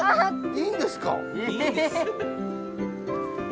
いいんです。